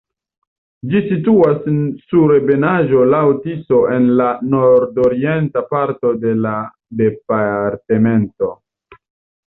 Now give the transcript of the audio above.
Ĝi situas sur ebenaĵo laŭ Tiso en la nordorienta parto de la departemento.